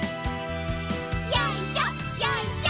よいしょよいしょ。